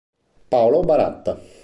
Paolo Baratta